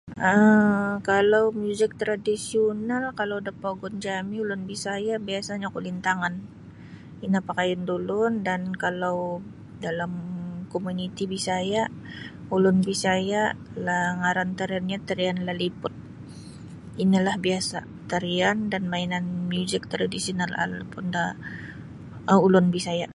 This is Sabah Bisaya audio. um kalau muzik tradisional kalau da pogun jami' ulun Bisaya' biasanyo kulintangan ino pakayun da ulun dan kalau dalam komuniti Bisaya' ulun Bisaya'lah ngaran tariannyo tarian Laliput inolah biasa' tarian dan mainan muzik tradisional alapun da um ulun Bisaya'.